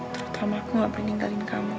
terutama aku gak boleh ninggalin kamu